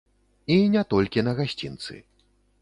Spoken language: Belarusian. І не толькі на гасцінцы.